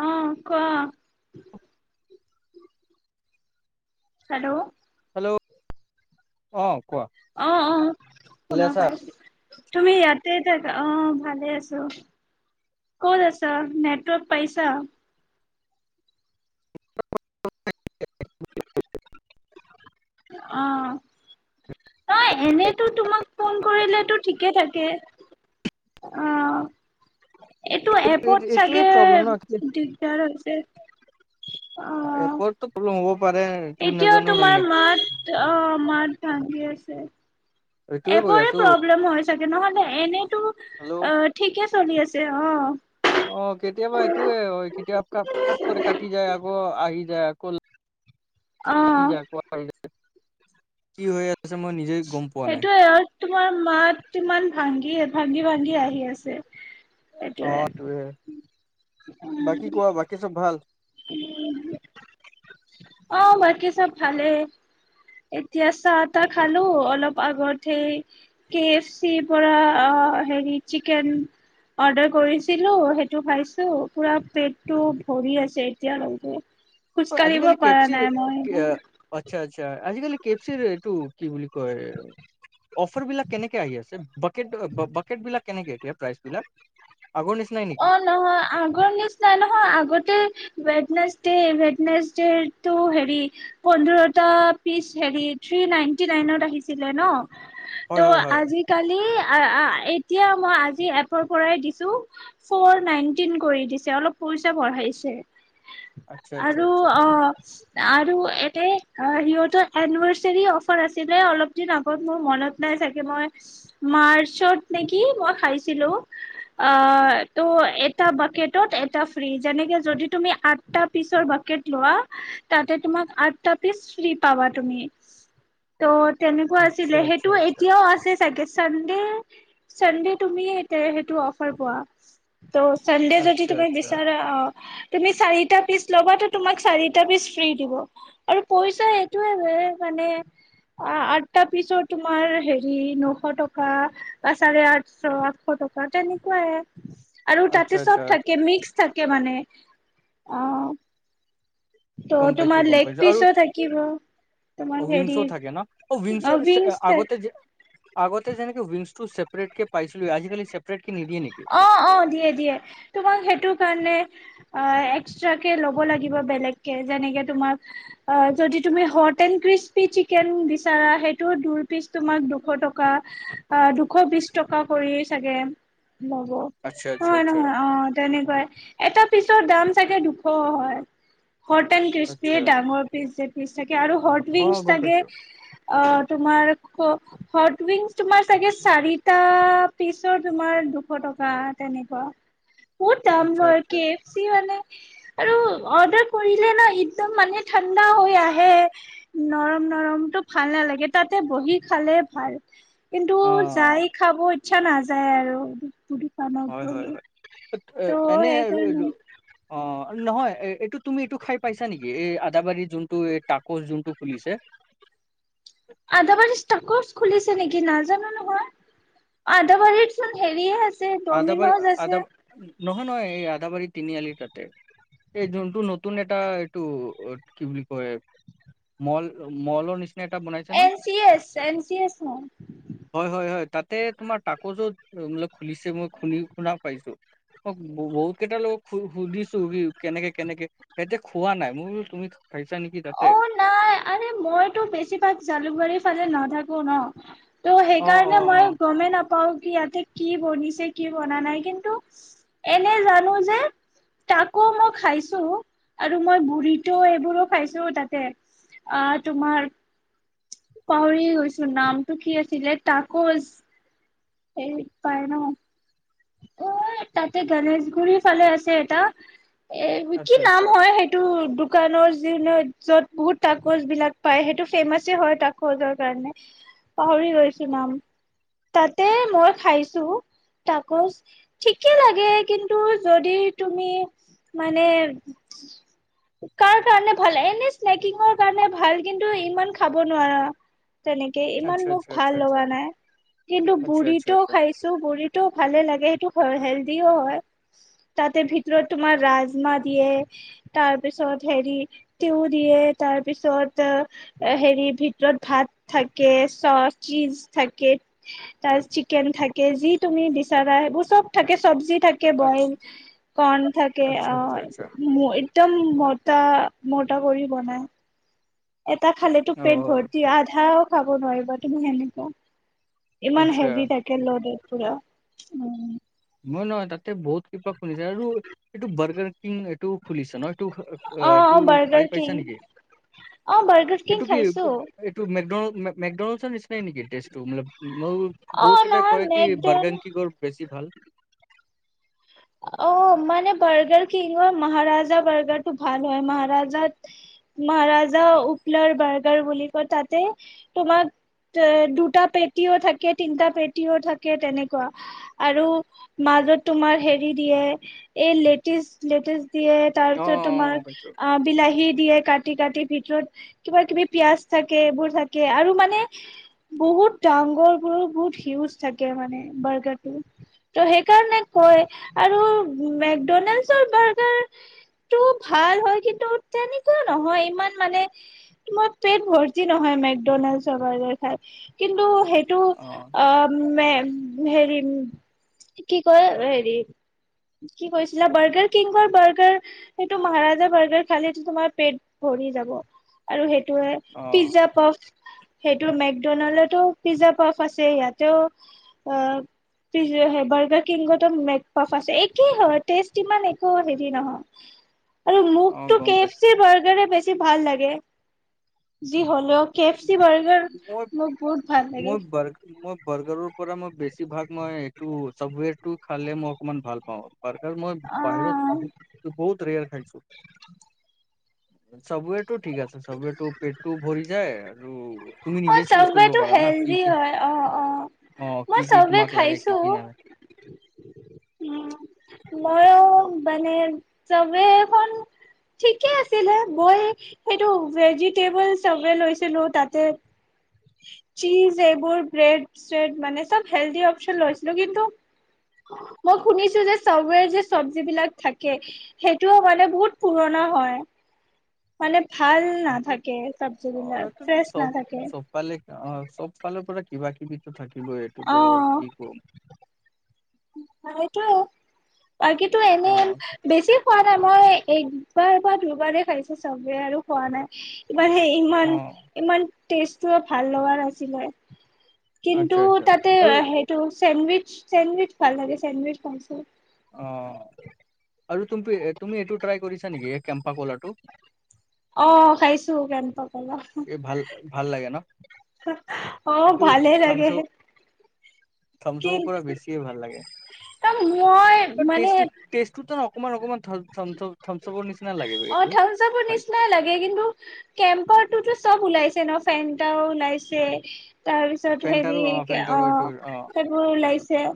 অ কোৱা hello hello অ কোৱা অ অ ভালে শুনা আছা পাইছা তুমি ইয়াতে থাকা, অ ভালে আছোঁ। ক'ত আছ নেটৱৰ্ক পাইচা? [unintelligible] অ ন এনেতো তোমাক ফোন কৰিলেতো ঠিকে থাকে অ। এইটো এপত এইটোৱে চাগে প্ৰব্লেম ন দিগদাৰ হৈছে। অ', এপটো প্ৰব্লেম হ'ব। পাৰে তোৰ এতিয়াও নাজানো তোমাৰ নেট মাত আহ মাত ভাঙি আছে। এইটোৱে কৈ এপৰে আছো প্ৰব্লেম হয় চাগে নহলে এনেতো হেল্ল' অ ঠিকে চলি আছে। অ', অ কেতিয়াবা এইটোয়ে হয় কেতিয়াবা ক ফ কৰি কাটি যায় আকৌ আহি যায় আকৌ। কাটি অ'। যাই আকৌ‌‌ আহি যায় ‌। ছে মই নিজেই গম পোৱা নাই। সেইটোয়ে আৰু তোমাৰ মাত ইমান ভাংগি -ভাংগি -ভাংগি আহি আছে। অ এইটোৱে সেইটোৱে বাকী ওহ। কোৱা বাকী চব ভাল [inaudible] অহ বাকী চব ভালেই। এতিয়া চাহ -তাহ খালো অলপ আগত সেই কে এফ চি পৰা অহ হেৰি চিকেন অৰ্ডাৰ কৰিছিলো সেইটো খাইছো পুৰা পেটটো ভৰি আছে এতিয়ালৈকে। খোজ অ', কাঢ়িব আজিকালি পৰা কেপচিৰ নাই মই কি ইমান অহ আচ্ছা আচছা আজিকালি কেপচিৰ এইটো কি বুলি কয় অফাৰবিলাক কেনেকে আহি আছে বাকেট- বাকেটবিলাক কেনেকে এতিয়া প্ৰাইচবিলাক? অহ, নহয় আগৰ নিচনাই নহয় আগতে ৱেডনেছডে ৱেডনেছ ডেৰ টো হেৰি পোন্ধৰটা পিচ হেৰি নাইটি নাইনত আহিছিলে হয় হয় ন'ত' হয় আজিকালি আ- আ এতিয়া মই আজি এপৰ পৰাই দিছো ফ'ৰ নাইনটিন কৰি দিছে অলপ পইচা বঢ়াইছে। আচ্ছা আচ্ছা আৰু আচ্ছা অহ আৰু এতে অ' সিহঁতৰ এনিভাৰ্চাৰী অফাৰ আছিলে অলপ দিন আগত মোৰ মনত নাই। মই মাৰ্চত নেকি মই খাইছিলো অহ ত' এটা বাকেটত এটা ফ্ৰী যেনেকে যদি তুমি আঠটা পিচৰ বাকেট লোৱা তাতে তোমাক আঠটা পিচ ফ্ৰী পাবা তুমি ত' তেনেকুৱা আচ্ছা আছিলে সেইটো আচ্ছা এতিয়াও আছে চাগেচান চানডে তুমি তে সেইটো অফাৰ পোৱা। ত' চানডে আচ্ছা যদি আচ্ছা তুমি আচ্ছা বিচাৰা অহ তুমি চাৰিটা পিচ ল'বাটো তোমাক চাৰিটা পিচ ফ্ৰী দিব আৰু পইচা এইটোয়ে [unintelligible] মানে আ -আঠটা পিছত তোমাৰ হেৰি নশ টকা বা চাৰে আঠচ টকা এনেকুৱাইয়ে। আৰু আচ্ছা তাতে চব আচ্ছা আচ্ছা থাকে মিক্স থাকে মানে অহ। ত' গম তোমাৰ লেগ পিচো থাকিব তোমাক অহ, উইংছ হেৰি অ', থাকে ন' অ', উইংছ আগতে যে আগতে যেনেকে উইংছ টো ছেপৰেট কে পাইছিলো আজিকালি ছেপৰেট অহ - অহ দিয়ে -দিয়ে তোমাক সেইটো কাৰণে অহ, এক্সট্টাকে লব লাগিব বেলেগ কে যেনেকে তোমাক যদি তুমি হট [unintelligible] বিচাৰা সেইটো দুই পিচ তোমাৰ দুশ টকা [unintelligible] ত্ৰিছ টকা কৰি চাগে লব আচ্ছা আচ্ছা নহয়- আচ্ছা নহয় অহ তেনেকুৱাই এটা পিছ ৰ দাম চাগে দুশ হয়। হট এণ্ড ক্ৰিস্পি আচ্ছা ডাঙৰ পিচ- যেপিচ থাকে আৰু হট অ উইংছ গম থাকে। পাইছো অহ, তোমাৰ ক হট উইংছ তোমাৰ চাগে চাৰিটা পিছৰ তোমাৰ দুশ টকা তেনেকুৱা বহুত দাম আচ্ছা লয় আচ্ছা কে এফ চি মানে আৰু অৰ্ডাৰ কৰিলে না একদম মানে ঠাণ্ডা হৈ আহে নৰম- নৰমতটো ভাল নালাগে তাতে বহী খালে ভাল। কিন্তু অ যাই খাব ইচ্ছা নাযায় আৰু দোকানত হয় -হয় বহি -হয় ত' এনে আৰু সেইকাৰণে এইটো অহ নহয় এ 'এইটো তুমি এইটো খাই পাইছা নেকি এই আদাবাৰী যোনটো এই তাকচ যোনটো খুলিছে? [inaudible] আদাবাৰী ষ্টাকছ খুলিছ নেকি নাজানো নহয়, আদাবাৰী চোন হেৰিয়ে আছে আদাবাৰী ডমিন'জ আদা আছে। নহয় -নহয় এই আদাবাৰী তিনিআলিৰ তাতে। এই যোনটো নতুন এটা এইটো কি বুলি কয় মল মল নি এটা বনাইছে ন? N C S N C S নহয় হয়, হয়, হয় তাতে তোমাৰ পাকৈত, ত বোলাক খুলিছে মই খুনি খুনা পাইছো [unintelligible] অ বহুত কেইটা লগক সুধিছো কেনেকে কেনেকে সহতিতে খোৱা নাই মই বলো তুমি [unintelligible] তাতে? অ নাই আৰে মইতো বেছিভাগ জালুকবাৰীৰ ফালে নাথাকো ন ত' অ অ সেইকাৰণে অ মই গমেই নাপাও। পাও কি ইয়াতে কি বনিছে কি বনা নাই কিন্তু এনে জানো যে তাকো মই খাইছো আৰু মই গুৰিতো এইবোৰো পাইছো তাতে আহ তোমাৰ- পাহৰি গৈছো নামটো কি আছিলে তাকচ এ ই পাই ন অ তাতে গণেশগুৰিৰ, ফালে আছে এটা এ কি আচ্ছা আচ্ছা নাম হয় সেইটো দোকানৰ য য'ত বহুত তাকচ বিলাক পায় সেইটো ফেমাছে হয় তাকচৰ কাৰণে পাহ লৈছো নাম তাতে মই খাইছো ত গছ ঠিকে লাগে কিন্তু যদি তুমি মানে কাৰ কাৰণে ভাল এনে স্নেকিঙৰ কাৰণে ভাল কিন্তু ইমান খাব নোৱাৰা। তেনেকে ইমান আচ্ছা মোক আচ্ছা ভাল আচ্ছা আচ্ছা লগা নাই কিন্তু আচ্ছা আচ্ছা বুঢ়িটো আচ্ছা। খাইছো বুঢ়ীতো লাগে সেইটো হেলদিও হয়। তাতে ভিতৰত ৰাজমা দিয়ে ত তাৰপিছত হেৰি তিও দিয়ে তাৰপিছত হেৰি ভিতৰত ভাত থাকে চফ চিজ থাকে তাৰছ চিকেন থাকে যি তুমি দি চা সেইবোৰ চব থাকে চব্জি থাকে আচ্ছা বইল কৰ্ণ থাকে আচ্ছা আচ্ছা আচ্ছা অ একদম মটা মটা কৰি বনাই এটা খালেতো অ পেট ভৰ্তি আধাও খাব নোৱাৰিবা তুমি সেনেকুৱা ইমান আচ্ছা হেভি থাকে ল'ডৰ পুৰা উ নহয় নহয় তাতে বহুত কিবা খুনিছে আৰু এইটো বাৰ্গাৰ কিং এইটো খুলিছে ন ত অ তো অ খাই বাৰ্গাৰ কিং পাইছা নেকি? অ বাৰ্গাৰ কিং এইটো কি খাইছো এইটো মেকড্ মেকডনল্ডছৰ নিচিনাই নেকি ম মই বহুত অ', কেইটাই নহয় কয় কি মেকডল বাৰ্গাংকী গড় বেছি ভাল। অ মানে বাৰ্গাৰ কিনো মহাৰাজা বাৰ্গাৰ টো ভাল হয় মহাৰাজাত মহাৰাজা উপলৰ বাৰ্গাৰ বুলি ক তাতে তোমাক এ দুটা পেটিও থাকে তিনটা পেটিও থাকে তেনেকুৱা আৰু মা মাজত তোমাৰ হেৰি দিয়ে, এই লেটিছ লেটিছ দিয়ে তাৰ অ', পিছত অ', তোমাৰ গম পাইছোঁ। অ বিলাহী দিয়ে কাটি কাটি ভিতৰত কিবা কিবি পিয়াজ থাকে এইবোৰ থাকে আৰু মানে- বহুত ডাঙৰ বোৰো বহুত সিউজ থাকে মানে বাৰ্গাৰটো ত' সেইকাৰণে কয় আৰু মেকডনাল্ডছ বাৰ্গাৰ- টো ভাল হয় কিন্তু তেনেকুৱা নহয় ইমান মানে তোমাৰ পেট ভৰ্তি নহয়। কিন্তু স [unintelligible] এইটো অ হেৰি কি কয় হেৰি উ [inaudible] কি কৈছিলা বাৰ্গাৰ কিংগৰ বাৰ্গাৰ সেইটো মহাৰাজাৰ বাৰ্গাৰ খালে সটো তোমাৰ পেট ভৰি আৰু সেইটোে অ', পিজজা প সেইটো মেকডনল্ডতো পিজ্জা পফ আছে ইয়াতেও অ ে বৰ্গাৰ কিংো মে [unintelligible] ফ আছে একেই হয় টেষ্ট ইমান একো হেৰি নহয়। আৰু অ', মুখ গম পাইছোঁ। কেফি বাৰ্গাৰ বেছি ভাল লাগে। যি হ'লেও কেফচি বাৰ্গাৰ মই মোৰ বহুত ভাল মই লাগে৷ বাৰ মই বাৰ্গাৰৰ পৰা মই বেছিভাগ মই এইটো চফটৱেৰটো খালে মই অকণমান ভাল পাওঁ। বাৰ্গাৰ মই অ বাহিৰত বহুত-বহুত ৰেয়াৰ খাইছো। চবৱেটো ঠিক আছে চবৱেটো পেটটো ভৰি যায় আৰু তুমি অ নিজে চুজ কৰিব চাবৱেটো পাৰা না কি হেলডি কি হয় অ-অ ৷ অ কি-কি তোমাক লাগে, কি কি নালাগে, উম মইও মানে চবেইখন ঠিকে আছিলে মই সেইটো ভেজিটেবল চবে লৈছিলো তাতে চীজ এইবোৰ ব্ৰেড চ্ৰেড মানে চব হেলডি অপচন লৈছিলো কিন্তু অ [unintelligible] মই শুনিছো যে চাবৱেৰ যে চবজি বিলাক থাকে সেইটোও মানে বহুত পুৰণা হয়। মানে ভাল সেইটোতো নাথাকে চবজি অ বিলাক এইটোতো ফ্ৰেছ চব নাথাকে ৷ চবফালে অ চব ফালৰ পৰা কিবা কিবিতো থাকিব অ এইটোতো কি কম৷ সেইটো বাকীটো অ এনেই বেছি খোৱা নাই মই একবাৰ বা দুবাৰে খাইছে চবৱে আৰু খোৱা নাই ইমান সে ইমান অ ইমান। টেষ্টটো ভাল লগা নাছিলে কিন্তু আচ্ছা আচ্ছা তাতে আৰু সেইটো চেণ্ডইচ চেণ্ডুইচ ভাল লাগে চেণ্ডুইচ খাইছো৷ অ আৰু তুমি-তুমি এইটো ট্ৰাই কৰিছা নেকি এই কেম্পা কলাটো? অ খাইছো কেম্পত৷ এই ভাল ভাল লাগে ন অ ভালেই লাগে থমথম [unintelligible] পৰা কিন্তু বেছিয়ে ভাল লাগে। মই মানে টেষ্টটো-টেষ্টটো তাৰ অকমান-অকমান অ থাম্চাবৰ হয় নিচিনাই লাগে কিন্তু কেম্পাৰটোতো চব ওলাইছে ন ফেনটাও ওলাইছে তাৰপিছত ফেণ্টাৰো হেৰি ফেণ্টাৰো অ এইটো অ সেইবোৰ ওলাইছে।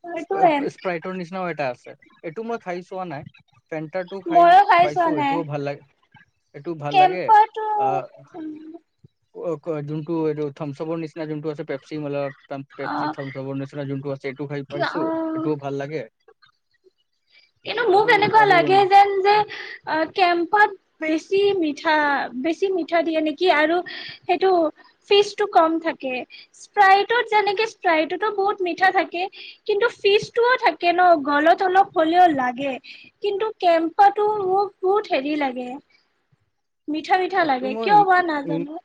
সেইটোয়ে স্প্ৰাই স্প্ৰাইটৰ নিচিনা এটা আছে এইটো মই খাইছো। কোৱা নাই ফেনটাটো খাই পাইছো এইটোও ভাল লাগে এইটো ভাল লাগে কেম্পাটো উ অ যোনটো থম্পছআপৰ নিচনা যোনটো আছে পেপ্ছি ম অ পেপছি থাম্পছআপ জবৰ নিচিনা যোনটো আছে এইটো খাই কি পাইছো। অ সেইটোও ভাল লাগে। কিন্তু মোক আৰু এনেকুৱা আৰু লাগে যেন যে কেম্পাত বেছ বেছি মিঠা বেছি মিঠা দিয়ে নেকি! আৰু সেইটো ফিজ টো কম থাকে৷ স্প্ৰাইটত যেনেকে স্প্ৰাইতটো বহুত মিঠা থাকে কিন্তু ফিচ টোও থাকে ন- ল তোলোক [inaudible] হ'লেও লাগে কিন্তু কেম্পাটো মোক বহুত হেৰি লাগে ৷ মিঠা-মিঠা এইটো লাগে মই কিয় বা ইম- ইম- নাজানো ৷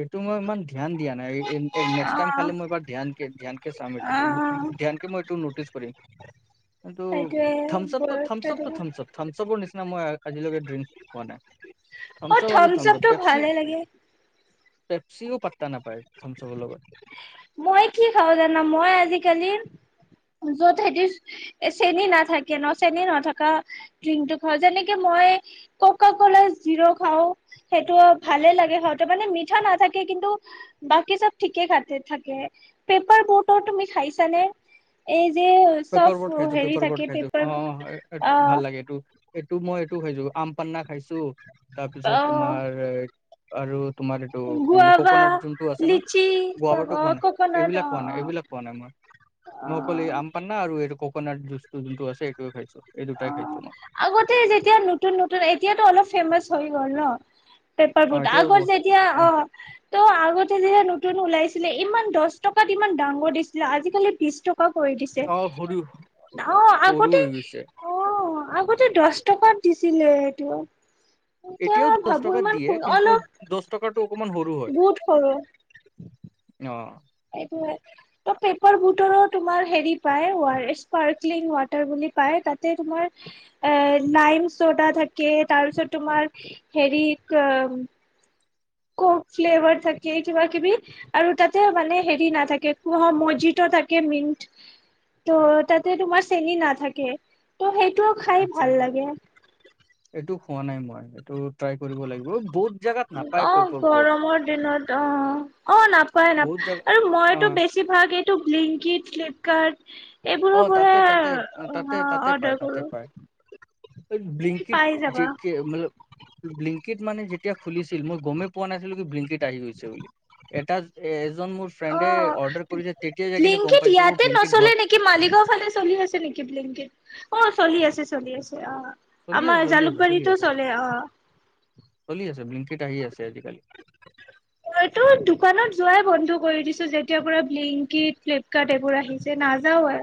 এইটো মই ইমান ধ্যান দিয়া নাইক্স অ টাইম খাল মই এইবাৰ ধ্যান চাবি অ ধ্যান কে মই এই নটিচ [unintelligible] কিন্তু থামচআপ-থামচআপ সেইটোয়ে থামচ থামচআপৰ নিচিনা মই আজিলৈকে ড্ৰিংক পোৱা নাই ৷ অ থামচ আপটো ভালে লাগে ৷ পেপচিও পাত্তা নাপায় থমচপৰ লগত। মই কি খাওঁ জানা মই আজিকালি- যত হিতি [unintelligible] চেনি নাথাকে ন চেনি নথকা ড্ৰিংকটো খাওঁ যেনেকে মই মই ককাকলা জিৰো খাও। সেইটো ভালেই লাগে সতে মানে মিঠা নাথাকে কিন্তু বাকী চব ঠিকে থি থাকে, পেপাৰ বত তুমি খাইছানে? এই যে চব পেপাৰ বট খাইছো হেৰি পেপাৰ বট থাকে খাইছো পেপাৰ অ ভাল লাগে এইটো-এইটো মই এইটো খাইছো আম পান্না খাইছো তাৰপিছত অ তোমাৰ এ আৰু তোমাৰ এইটো কি বুলি ক‌ওঁ, গুৱাবা ককনাট যোনটো আছে ন লিচি চব গোৱাবাৰটো অ খোৱা নাই ককনাট এইবিলাক অ খোৱা নাই এইবিলাক অ খোৱা নাই মই, অ মই অকল এই আম পানা আৰু এইটো ককনাট জুচটো যোনটো আছে সেইটোয়ে খাইছো। এই অ দুটাই খাইছো মই আগতে যেতিয়া নতুন নতুন এতিয়াতো অলপ ফেমাচ হৈ গ'ল ন। পেপাৰ অ বুট, এতিয়াও ব আগত যেতিয়া অ ত' আগতে যেতিয়া নতুন ওলাইছে ছিলে ইমান দহ টকাত ইমান ডাঙৰ দিছিলে। আজিকালি বিশ টকা কৰি দিছে অ সৰু অ সৰু আগতে হৈ গৈছে অ আগতে দহ টকাত দিছিলে সেইটো। এতিয়াও দহ টকাত দিয়ে কিন্তু দহ টকাটো অকণমান সৰু হয় বহুত অ সেইটোয়ে ত পেপাৰ বুটৰো তোমাৰ হেৰি পায় স্পাৰ্কলিং ৱাটাৰ বুলি। পায়, তাতে তোমাৰ লাইন ছটা থাকে তাৰপিছত তোমাৰ হেৰি এহঁ [unintelligible] কক ফ্লেভাৰ থাকে, কিবা কিবি আৰু তাতে মানে হেৰি নাথাকে মজিৰ ত তাতে তোমাৰ চেনি নাথাকে। ত সেই টো খাই আচ্ছা ভাল আচ্ছা লাগে। এইটো খোৱা নাই মই এইটো ট্ৰাই কৰিব লাগিব বহুত। জোগাত নাপায় অ পইপৰ বৰ্ড গৰমৰ দিনত অ অ নাপায় বহুত নাপায় জোগা আৰু অ মইতো বেছি ভাগ এিন ত ব্লিংকিত, ফ্লিপকাৰ্ট অ এইবোৰৰ পৰা তাতে তাতে তাতে অ তাতে পায় অৰ্ডাৰ তাতে কৰো পায়। তুমি ব্লিংকিট পাই যে যাবা ম ব্লিংকিট মানে এতিয়া খুলিছিল মই গমেই পোৱা নাছিলো কি বিংকিত আহি গৈছে বুলি। এটা এজন মোৰ ফ্ৰেণ্ডে অ অৰ্ডাৰ কৰিছে তেতিয়া যাই কিনে গম ব্লিংকিত পাইছো ইয়াতে ব্লিংকিত ঘ নচলে নেকি মালিগাঁও ফালে চলি আছে নেকি ব্লিংকিত, অ চলি আছে চলি আছে অ চলি আমাৰ আছে চলি আছে চলি জালুকবাৰীতো আছে চলে অ চলি আছে। আহি আছে আজিকালি তইটো দোকানত যোৱাই বন্ধু কৰি দিছো যেতিয়া ব্লিংকি, ফ্লিপকাৰ্ট এইবোৰ আহিছে নাযাওঁয়ে।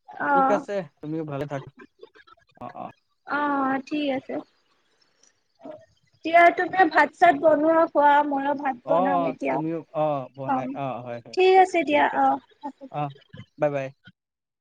অ ঠিক আছে তুমিও ভালে থাক অ অ অ ঠিক আছে এতিয়া তুমি ভাত চাত বনোৱা খোৱা ময়ো ভাত অ বনাম এতিয়া তুমিও অ বনাই অ হয় হয় ঠিক আছে দিয়া ঠিক অ। আছে অ বাই বাই